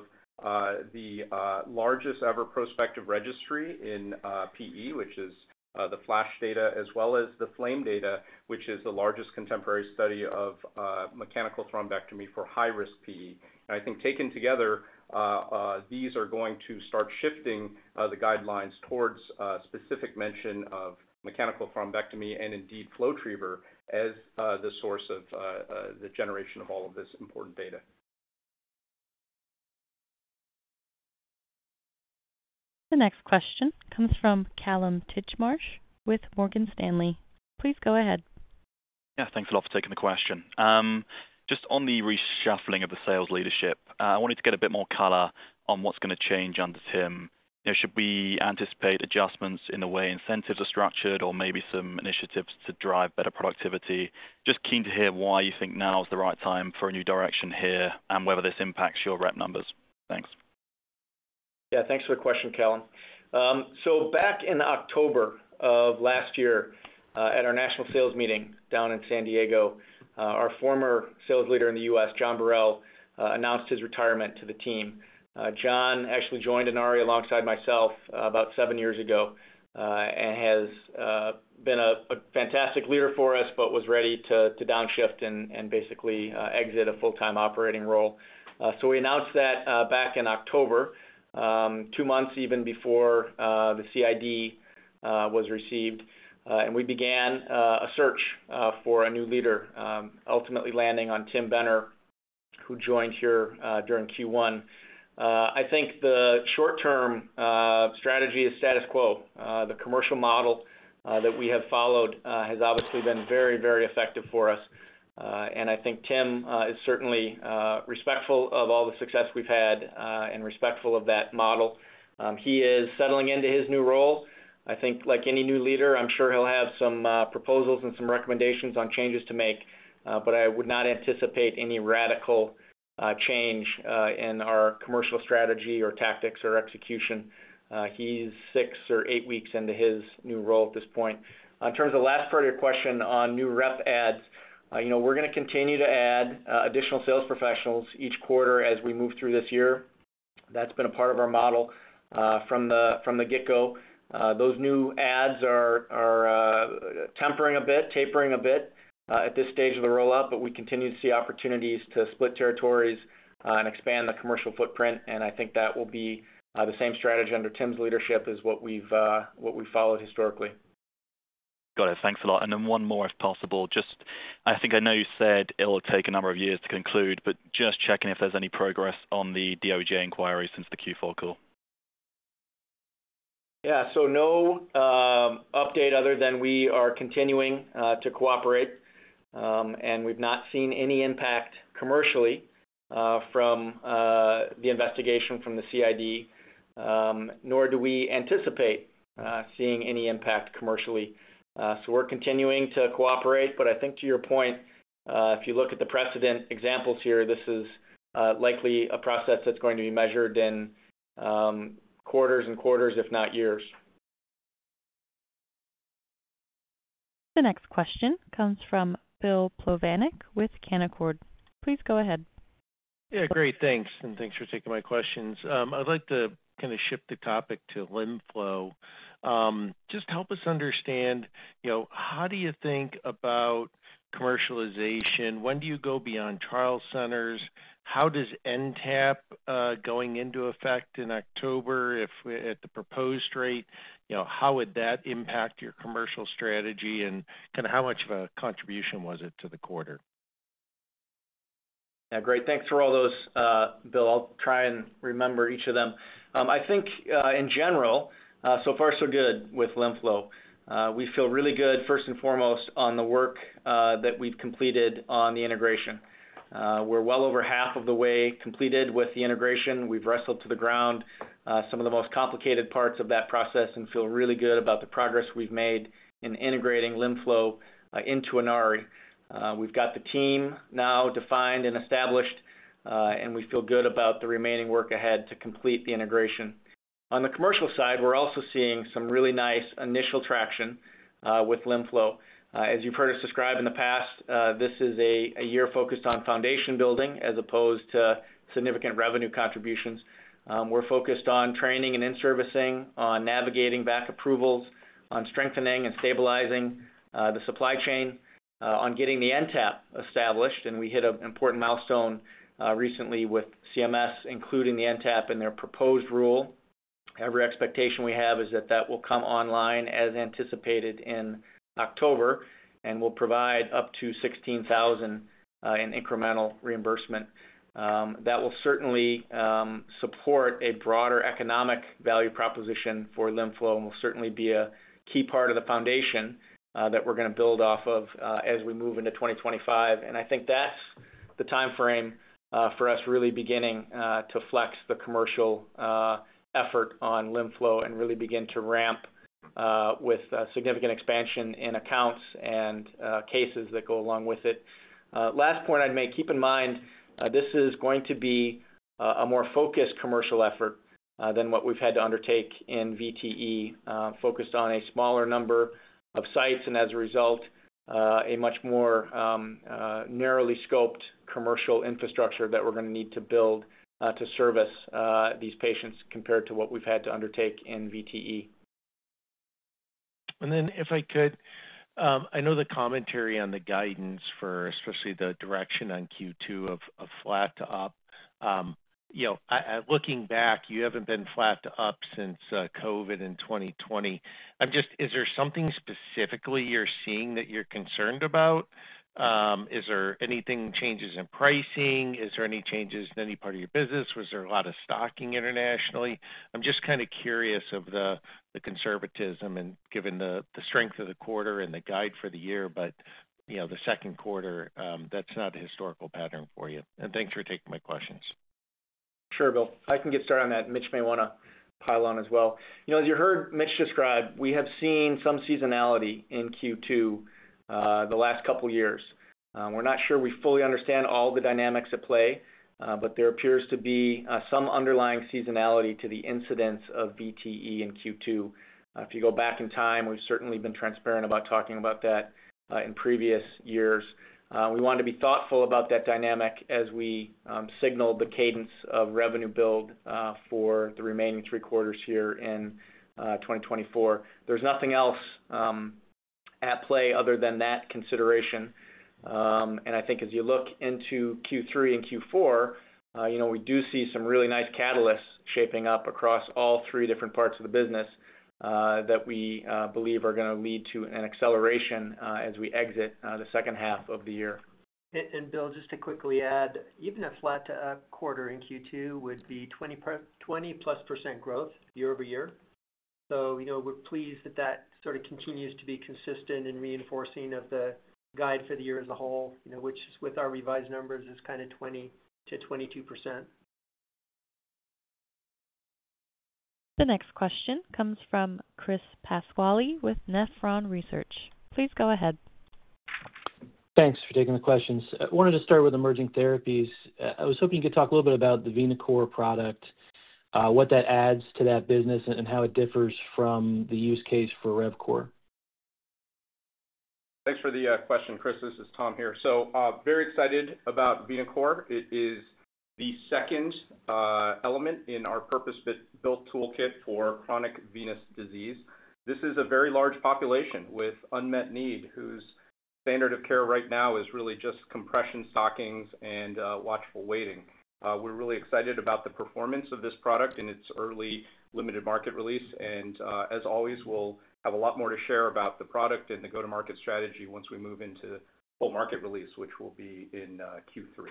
Speaker 8: the largest-ever prospective registry in PE, which is the FLASH data, as well as the FLAME data, which is the largest contemporary study of mechanical thrombectomy for high-risk PE. I think taken together, these are going to start shifting the guidelines towards specific mention of mechanical thrombectomy and indeed FlowTriever as the source of the generation of all of this important data.
Speaker 1: The next question comes from Kallum Titchmarsh with Morgan Stanley. Please go ahead.
Speaker 9: Yeah, thanks a lot for taking the question. Just on the reshuffling of the sales leadership, I wanted to get a bit more color on what's going to change under Tim. Should we anticipate adjustments in the way incentives are structured or maybe some initiatives to drive better productivity? Just keen to hear why you think now is the right time for a new direction here and whether this impacts your rep numbers. Thanks.
Speaker 3: Yeah, thanks for the question, Kallum. Back in October of last year, at our national sales meeting down in San Diego, our former sales leader in the U.S., John Borrell, announced his retirement to the team. John actually joined Inari alongside myself about 7 years ago and has been a fantastic leader for us but was ready to downshift and basically exit a full-time operating role. We announced that back in October, 2 months even before the CID was received. We began a search for a new leader, ultimately landing on Tim Benner, who joined here during Q1. I think the short-term strategy is status quo. The commercial model that we have followed has obviously been very, very effective for us. I think Tim is certainly respectful of all the success we've had and respectful of that model. He is settling into his new role. I think like any new leader, I'm sure he'll have some proposals and some recommendations on changes to make. But I would not anticipate any radical change in our commercial strategy or tactics or execution. He's 6 or 8 weeks into his new role at this point. In terms of the last part of your question on new rep adds, we're going to continue to add additional sales professionals each quarter as we move through this year. That's been a part of our model from the get-go. Those new adds are tempering a bit, tapering a bit at this stage of the rollout, but we continue to see opportunities to split territories and expand the commercial footprint. And I think that will be the same strategy under Tim's leadership as what we've followed historically.
Speaker 9: Got it. Thanks a lot. And then one more, if possible. Just, I think I know you said it'll take a number of years to conclude, but just checking if there's any progress on the DOJ inquiry since the Q4 call.
Speaker 3: Yeah, so no update other than we are continuing to cooperate. And we've not seen any impact commercially from the investigation from the CID, nor do we anticipate seeing any impact commercially. So, we're continuing to cooperate. But I think to your point, if you look at the precedent examples here, this is likely a process that's going to be measured in quarters and quarters, if not years.
Speaker 1: The next question comes from Bill Plovanic with Canaccord. Please go ahead.
Speaker 10: Yeah, great. Thanks. And thanks for taking my questions. I'd like to kind of shift the topic to LimFlow. Just help us understand, how do you think about commercialization? When do you go beyond trial centers? How does NTAP going into effect in October at the proposed rate, how would that impact your commercial strategy? And kind of how much of a contribution was it to the quarter?
Speaker 3: Yeah, great. Thanks for all those, Bill. I'll try and remember each of them. I think in general, so far so good with LimFlow. We feel really good, first and foremost, on the work that we've completed on the integration. We're well over half of the way completed with the integration. We've wrestled to the ground some of the most complicated parts of that process and feel really good about the progress we've made in integrating LimFlow into Inari. We've got the team now defined and established, and we feel good about the remaining work ahead to complete the integration. On the commercial side, we're also seeing some really nice initial traction with LimFlow. As you've heard us describe in the past, this is a year focused on foundation building as opposed to significant revenue contributions. We're focused on training and in-servicing, on navigating back approvals, on strengthening and stabilizing the supply chain, on getting the NTAP established. We hit an important milestone recently with CMS, including the NTAP in their proposed rule. Our expectation we have is that that will come online as anticipated in October and will provide up to $16,000 in incremental reimbursement. That will certainly support a broader economic value proposition for LimFlow and will certainly be a key part of the foundation that we're going to build off of as we move into 2025. And I think that's the time frame for us really beginning to flex the commercial effort on LimFlow and really begin to ramp with significant expansion in accounts and cases that go along with it. Last point I'd make, keep in mind this is going to be a more focused commercial effort than what we've had to undertake in VTE, focused on a smaller number of sites and as a result, a much more narrowly scoped commercial infrastructure that we're going to need to build to service these patients compared to what we've had to undertake in VTE.
Speaker 10: And then if I could, I know the commentary on the guidance for especially the direction on Q2 of flat to up. Looking back, you haven't been flat to up since COVID in 2020. Is there something specifically you're seeing that you're concerned about? Is there anything changes in pricing? Is there any changes in any part of your business? Was there a lot of stocking internationally? I'm just kind of curious of the conservatism and given the strength of the quarter and the guide for the year, but the second quarter, that's not a historical pattern for you. And thanks for taking my questions.
Speaker 3: Sure, Bill. I can get started on that. Mitch may want to pile on as well. As you heard Mitch describe, we have seen some seasonality in Q2 the last couple of years. We're not sure we fully understand all the dynamics at play, but there appears to be some underlying seasonality to the incidence of VTE in Q2. If you go back in time, we've certainly been transparent about talking about that in previous years. We want to be thoughtful about that dynamic as we signal the cadence of revenue build for the remaining three quarters here in 2024. There's nothing else at play other than that consideration. And I think as you look into Q3 and Q4, we do see some really nice catalysts shaping up across all three different parts of the business that we believe are going to lead to an acceleration as we exit the second half of the year.
Speaker 4: And Bill, just to quickly add, even a flat to up quarter in Q2 would be 20%+ growth year-over-year. So, we're pleased that that sort of continues to be consistent in reinforcing of the guide for the year as a whole, which with our revised numbers is kind of 20%-22%.
Speaker 1: The next question comes from Chris Pasquale with Nephron Research. Please go ahead.
Speaker 11: Thanks for taking the questions. I wanted to start with emerging therapies. I was hoping you could talk a little bit about the VenaCore product, what that adds to that business, and how it differs from the use case for RevCore.
Speaker 8: Thanks for the question, Chris. This is Tom here. So, very excited about VenaCore. It is the second element in our purpose-built toolkit for chronic venous disease. This is a very large population with unmet need whose standard of care right now is really just compression stockings and watchful waiting. We're really excited about the performance of this product in its early limited market release. And as always, we'll have a lot more to share about the product and the go-to-market strategy once we move into full market release, which will be in Q3.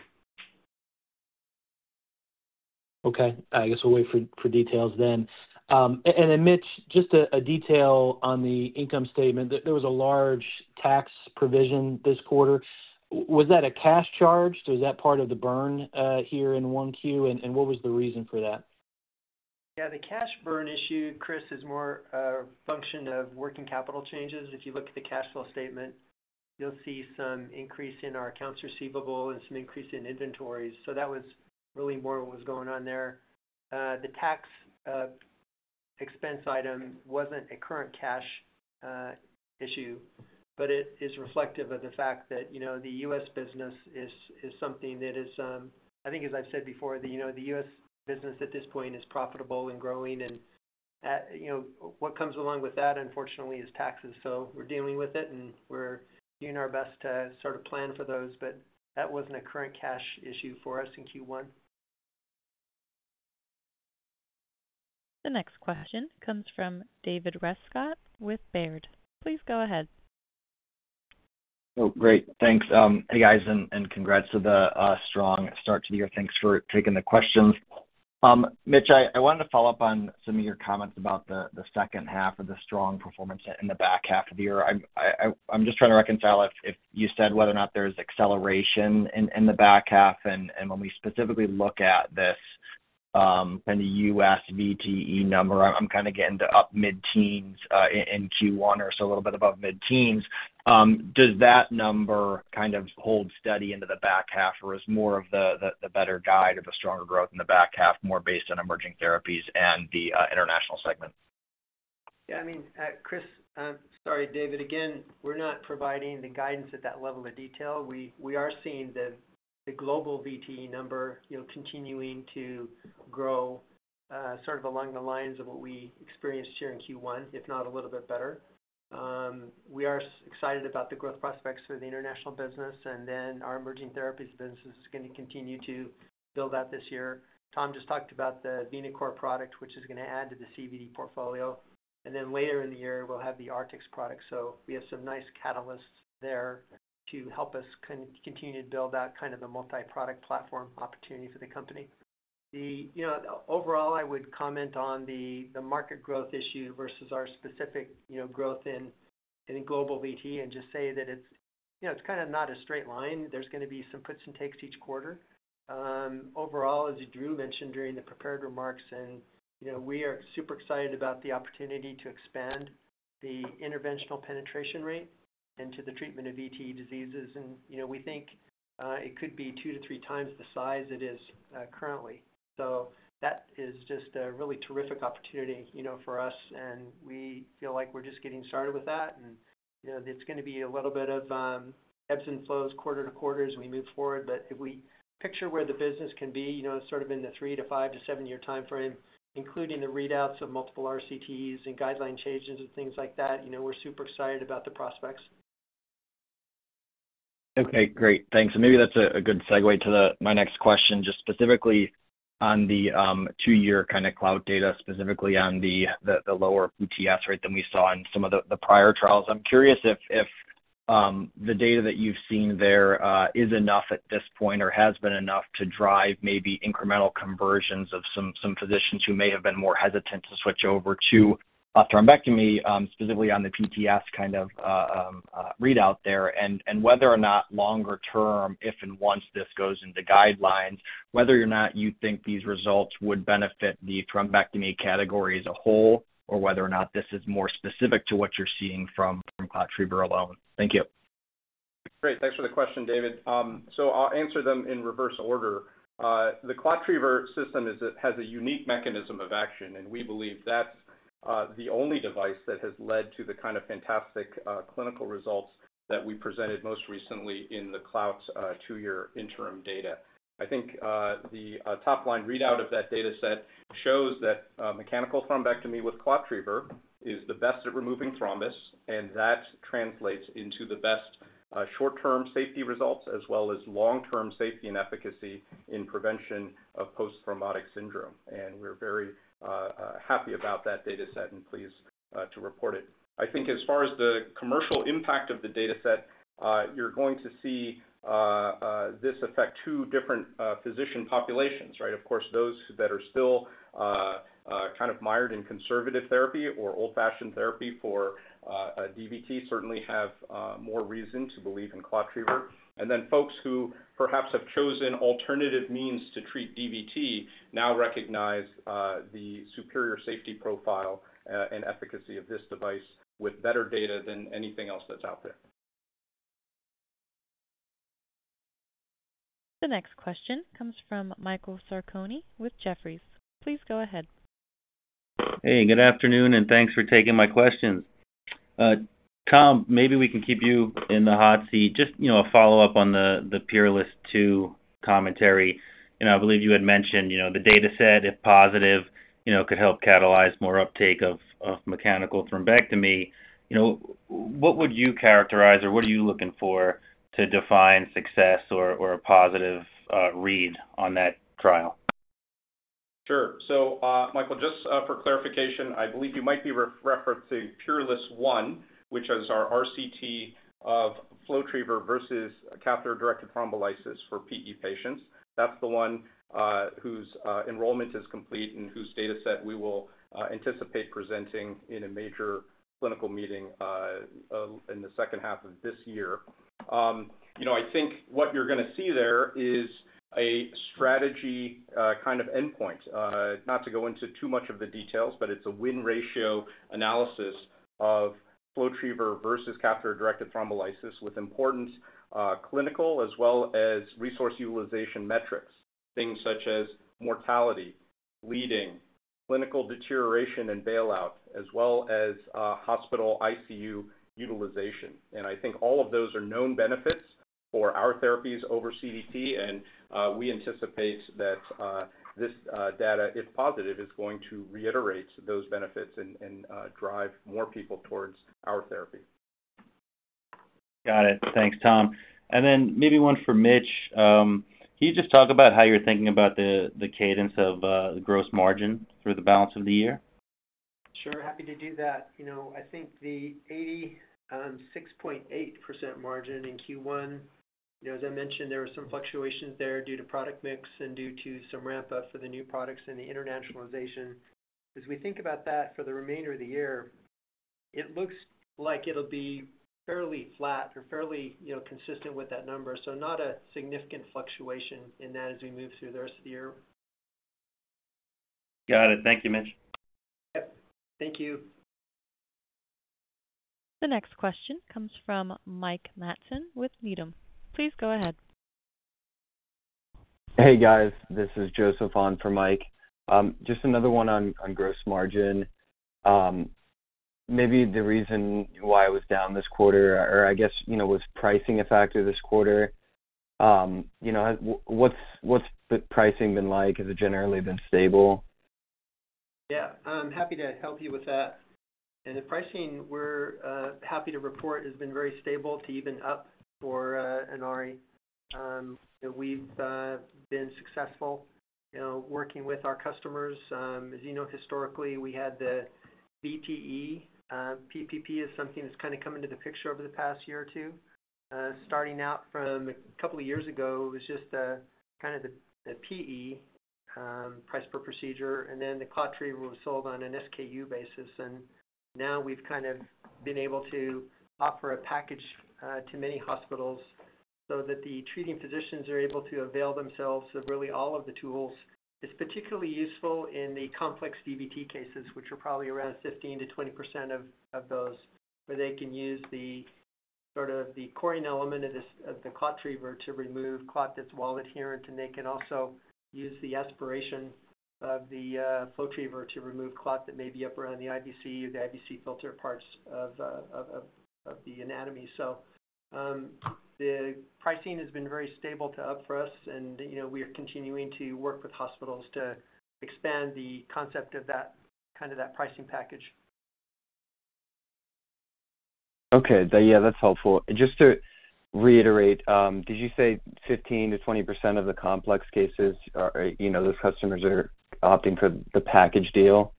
Speaker 11: Okay. I guess we'll wait for details then. Then Mitch, just a detail on the income statement. There was a large tax provision this quarter. Was that a cash charge? Was that part of the burn here in 1Q? And what was the reason for that?
Speaker 4: Yeah, the cash burn issue, Chris, is more a function of working capital changes. If you look at the cash flow statement, you'll see some increase in our accounts receivable and some increase in inventories. So, that was really more what was going on there. The tax expense item wasn't a current cash issue, but it is reflective of the fact that the U.S. business is something that is I think, as I've said before, the U.S. business at this point is profitable and growing. And what comes along with that, unfortunately, is taxes. So, we're dealing with it, and we're doing our best to sort of plan for those. But that wasn't a current cash issue for us in Q1.
Speaker 1: The next question comes from David Rescott with Baird. Please go ahead.
Speaker 12: Oh, great. Thanks, hey guys, and congrats to the strong start to the year. Thanks for taking the questions. Mitch, I wanted to follow up on some of your comments about the second half of the strong performance in the back half of the year. I'm just trying to reconcile if you said whether or not there's acceleration in the back half. And when we specifically look at this kind of U.S. VTE number, I'm kind of getting to up mid-teens in Q1 or so a little bit above mid-teens. Does that number kind of hold steady into the back half, or is more of the better guide of a stronger growth in the back half more based on emerging therapies and the international segment?
Speaker 4: Yeah, I mean, Chris, sorry, David, again, we're not providing the guidance at that level of detail. We are seeing the global VTE number continuing to grow sort of along the lines of what we experienced here in Q1, if not a little bit better. We are excited about the growth prospects for the international business. And then our emerging therapies business is going to continue to build out this year. Tom just talked about the VenaCore product, which is going to add to the CVD portfolio. And then later in the year, we'll have the Artix product. So, we have some nice catalysts there to help us continue to build out kind of a multi-product platform opportunity for the company. Overall, I would comment on the market growth issue versus our specific growth in global VTE and just say that it's kind of not a straight line. There's going to be some puts and takes each quarter. Overall, as Drew mentioned during the prepared remarks, we are super excited about the opportunity to expand the interventional penetration rate into the treatment of VTE diseases. We think it could be two to three times the size it is currently. So, that is just a really terrific opportunity for us. We feel like we're just getting started with that. It's going to be a little bit of ebbs and flows quarter to quarter as we move forward. But if we picture where the business can be, sort of in the three- to five- to seven-year time frame, including the readouts of multiple RCTs and guideline changes and things like that, we're super excited about the prospects.
Speaker 12: Okay, great. Thanks. Maybe that's a good segue to my next question just specifically on the two-year kind of CLOUT data, specifically on the lower PTS rate than we saw in some of the prior trials. I'm curious if the data that you've seen there is enough at this point or has been enough to drive maybe incremental conversions of some physicians who may have been more hesitant to switch over to thrombectomy, specifically on the PTS kind of readout there. And whether or not longer term, if and once this goes into guidelines, whether or not you think these results would benefit the thrombectomy category as a whole or whether or not this is more specific to what you're seeing from ClotTriever alone. Thank you.
Speaker 8: Great. Thanks for the question, David. So, I'll answer them in reverse order. The ClotTriever system has a unique mechanism of action, and we believe that's the only device that has led to the kind of fantastic clinical results that we presented most recently in the CLOUT's two-year interim data. I think the top-line readout of that dataset shows that mechanical thrombectomy with ClotTriever is the best at removing thrombus, and that translates into the best short-term safety results as well as long-term safety and efficacy in prevention of post-thrombotic syndrome. We're very happy about that dataset and pleased to report it. I think as far as the commercial impact of the dataset, you're going to see this affect two different physician populations, right? Of course, those that are still kind of mired in conservative therapy or old-fashioned therapy for DVT certainly have more reason to believe in ClotTriever. And then folks who perhaps have chosen alternative means to treat DVT now recognize the superior safety profile and efficacy of this device with better data than anything else that's out there.
Speaker 1: The next question comes from Michael Sarcone with Jefferies. Please go ahead.
Speaker 13: Hey, good afternoon, and thanks for taking my questions. Tom, maybe we can keep you in the hot seat. Just a follow-up on the PEERLESS II commentary. I believe you had mentioned the dataset, if positive, could help catalyze more uptake of mechanical thrombectomy. What would you characterize, or what are you looking for to define success or a positive read on that trial?
Speaker 8: Sure. So, Michael, just for clarification, I believe you might be referencing PEERLESS, which is our RCT of FlowTriever versus catheter-directed thrombolysis for PE patients. That's the one whose enrollment is complete and whose dataset we will anticipate presenting in a major clinical meeting in the second half of this year. I think what you're going to see there is a strategy kind of endpoint. Not to go into too much of the details, but it's a win-ratio analysis of FlowTriever versus catheter-directed thrombolysis with important clinical as well as resource utilization metrics, things such as mortality, bleeding, clinical deterioration and bailout, as well as hospital ICU utilization. And I think all of those are known benefits for our therapies over CDT. And we anticipate that this data, if positive, is going to reiterate those benefits and drive more people towards our therapy.
Speaker 13: Got it. Thanks, Tom. And then maybe one for Mitch. Can you just talk about how you're thinking about the cadence of the gross margin through the balance of the year?
Speaker 4: Sure. Happy to do that. I think the 86.8% margin in Q1, as I mentioned, there were some fluctuations there due to product mix and due to some ramp-up for the new products and the internationalization. As we think about that for the remainder of the year, it looks like it'll be fairly flat or fairly consistent with that number. So, not a significant fluctuation in that as we move through the rest of the year.
Speaker 13: Got it. Thank you, Mitch.
Speaker 4: Yep. Thank you.
Speaker 1: The next question comes from Mike Matson with Needham. Please go ahead.
Speaker 14: Hey guys, this is Joseph on for Mike. Just another one on gross margin. Maybe the reason why it was down this quarter, or I guess was pricing a factor this quarter. What's pricing been like? Has it generally been stable?
Speaker 4: Yeah. I'm happy to help you with that. The pricing we're happy to report has been very stable to even up for Inari. We've been successful working with our customers. As you know, historically, we had the VTE PPP is something that's kind of come into the picture over the past year or two. Starting out from a couple of years ago, it was just kind of the PE price per procedure. And then the ClotTriever was sold on an SKU basis. And now we've kind of been able to offer a package to many hospitals so that the treating physicians are able to avail themselves of really all of the tools. It's particularly useful in the complex DVT cases, which are probably around 15%-20% of those, where they can use sort of the coring element of the ClotTriever to remove clot that's well adherent. And they can also use the aspiration of the FlowTriever to remove clot that may be up around the IVC or the IVC filter parts of the anatomy. So, the pricing has been very stable to up for us. And we are continuing to work with hospitals to expand the concept of kind of that pricing package.
Speaker 14: Okay. Yeah, that's helpful. And just to reiterate, did you say 15%-20% of the complex cases, those customers are opting for the package deal?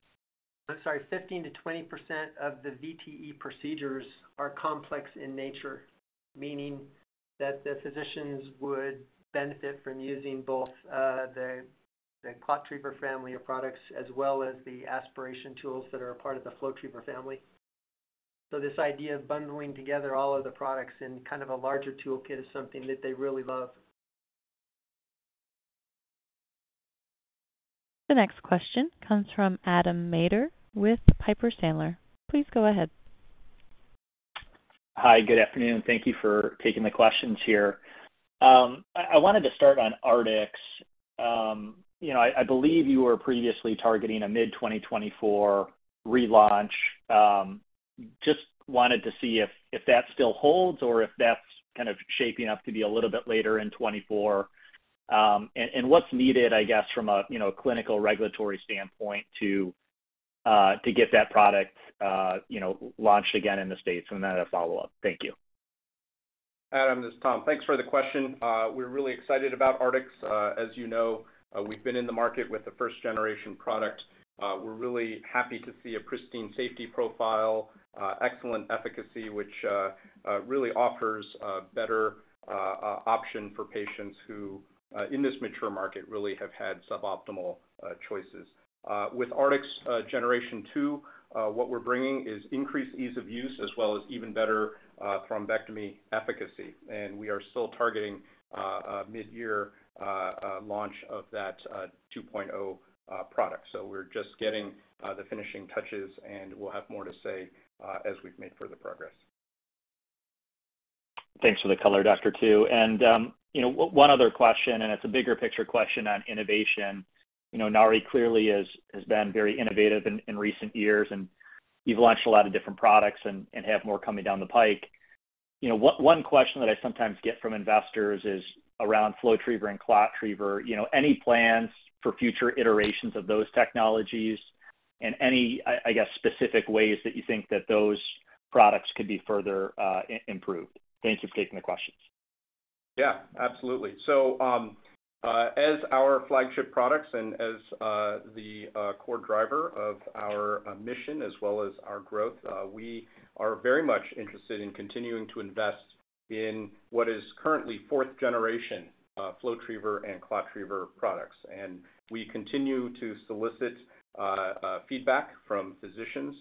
Speaker 4: I'm sorry. 15%-20% of the VTE procedures are complex in nature, meaning that the physicians would benefit from using both the ClotTriever family of products as well as the aspiration tools that are a part of the FlowTriever family. So, this idea of bundling together all of the products in kind of a larger toolkit is something that they really love.
Speaker 1: The next question comes from Adam Maeder with Piper Sandler. Please go ahead.
Speaker 15: Hi. Good afternoon. Thank you for taking the questions here. I wanted to start on Artix. I believe you were previously targeting a mid-2024 relaunch. Just wanted to see if that still holds or if that's kind of shaping up to be a little bit later in 2024. And what's needed, I guess, from a clinical regulatory standpoint to get that product launched again in the States? And then a follow-up. Thank you.
Speaker 8: Adam, this is Tom. Thanks for the question. We're really excited about Artix. As you know, we've been in the market with the first-generation product. We're really happy to see a pristine safety profile, excellent efficacy, which really offers a better option for patients who, in this mature market, really have had suboptimal choices. With Artix Gen 2, what we're bringing is increased ease of use as well as even better thrombectomy efficacy. We are still targeting mid-year launch of that 2.0 product. We're just getting the finishing touches, and we'll have more to say as we've made further progress.
Speaker 15: Thanks for the color, Dr. Tu. One other question, and it's a bigger picture question on innovation. Inari clearly has been very innovative in recent years, and you've launched a lot of different products and have more coming down the pike. One question that I sometimes get from investors is around FlowTriever and ClotTriever, any plans for future iterations of those technologies and any, I guess, specific ways that you think that those products could be further improved? Thank you for taking the questions.
Speaker 8: Yeah, absolutely. So, as our flagship products and as the core driver of our mission as well as our growth, we are very much interested in continuing to invest in what is currently fourth-generation FlowTriever and ClotTriever products. And we continue to solicit feedback from physicians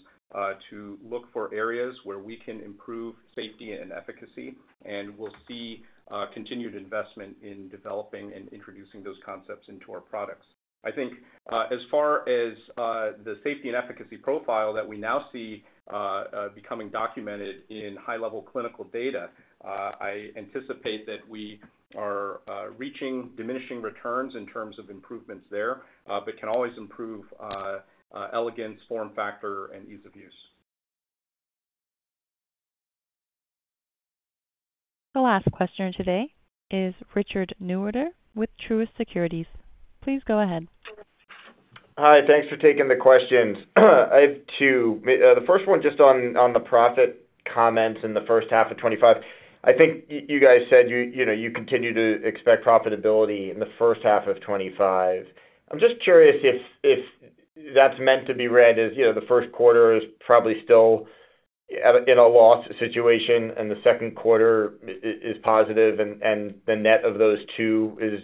Speaker 8: to look for areas where we can improve safety and efficacy. And we'll see continued investment in developing and introducing those concepts into our products. I think as far as the safety and efficacy profile that we now see becoming documented in high-level clinical data, I anticipate that we are reaching diminishing returns in terms of improvements there but can always improve elegance, form factor, and ease of use.
Speaker 1: The last question today is Richard Newitter with Truist Securities. Please go ahead.
Speaker 16: Hi. Thanks for taking the questions. I have two. The first one just on the profit comments in the first half of 2025. I think you guys said you continue to expect profitability in the first half of 2025. I'm just curious if that's meant to be read as the first quarter is probably still in a loss situation and the second quarter is positive and the net of those two is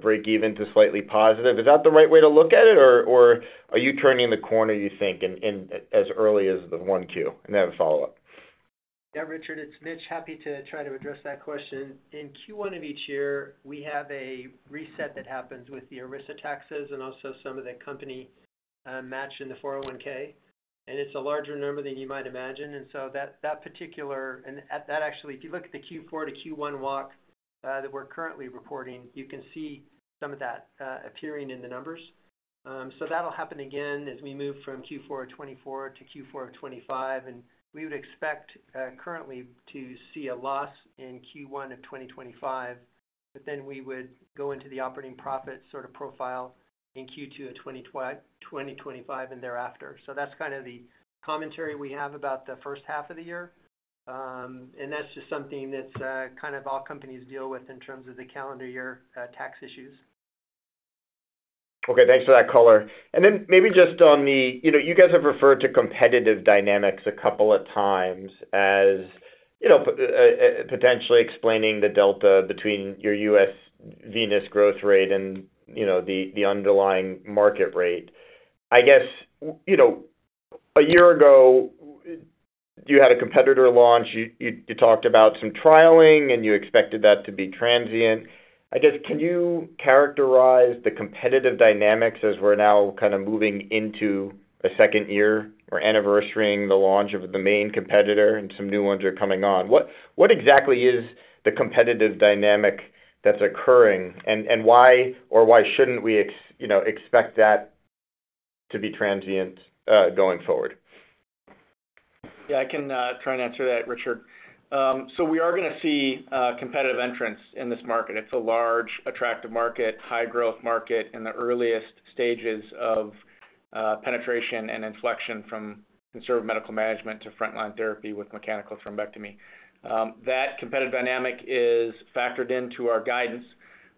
Speaker 16: break-even to slightly positive. Is that the right way to look at it, or are you turning the corner, you think, as early as the 1Q? And then a follow-up.
Speaker 4: Yeah, Richard. It's Mitch. Happy to try to address that question. In Q1 of each year, we have a reset that happens with the ERISA taxes and also some of the company match in the 401(k). And it's a larger number than you might imagine. And so that particular and that actually, if you look at the Q4 to Q1 walk that we're currently reporting, you can see some of that appearing in the numbers. So, that'll happen again as we move from Q4 of 2024 to Q4 of 2025. And we would expect currently to see a loss in Q1 of 2025, but then we would go into the operating profit sort of profile in Q2 of 2025 and thereafter. So, that's kind of the commentary we have about the first half of the year. And that's just something that's kind of all companies deal with in terms of the calendar year tax issues.
Speaker 16: Okay. Thanks for that color. And then maybe just on the you guys have referred to competitive dynamics a couple of times as potentially explaining the delta between your U.S. venous growth rate and the underlying market rate. I guess a year ago, you had a competitor launch. You talked about some trialing, and you expected that to be transient. I guess, can you characterize the competitive dynamics as we're now kind of moving into a second year? We're anniversary-ing the launch of the main competitor, and some new ones are coming on. What exactly is the competitive dynamic that's occurring, and why or why shouldn't we expect that to be transient going forward?
Speaker 3: Yeah. I can try and answer that, Richard. So, we are going to see competitive entrance in this market. It's a large, attractive market, high-growth market in the earliest stages of penetration and inflection from conservative medical management to frontline therapy with mechanical thrombectomy. That competitive dynamic is factored into our guidance.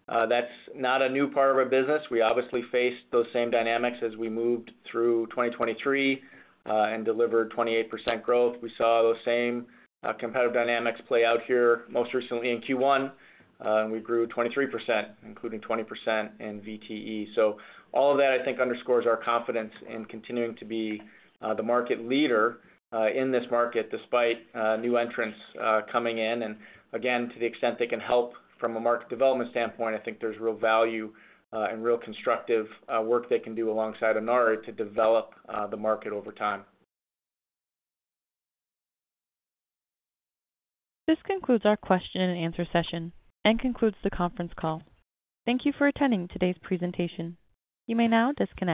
Speaker 3: That's not a new part of our business. We obviously faced those same dynamics as we moved through 2023 and delivered 28% growth. We saw those same competitive dynamics play out here most recently in Q1, and we grew 23%, including 20% in VTE. So, all of that, I think, underscores our confidence in continuing to be the market leader in this market despite new entrants coming in. And again, to the extent they can help from a market development standpoint, I think there's real value and real constructive work they can do alongside Inari to develop the market over time.
Speaker 1: This concludes our question-and-answer session and concludes the conference call. Thank you for attending today's presentation. You may now disconnect.